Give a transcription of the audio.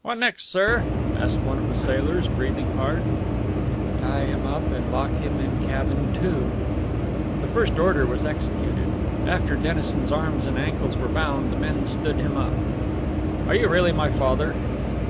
"What next, sir?" asked one of the sailors, breathing hard. "Tie him up and lock him in Cabin Two." The first order was executed. After Dennison's arms and ankles were bound the men stood him up. "Are you really my father?"